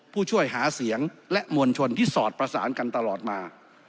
ผู้ช่วยหาเสียงและมวลชนที่สอดประสานกันตลอดมา